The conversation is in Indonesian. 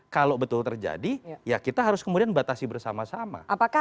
kalau betul terjadi ya kita harus kemudian batasi bersama sama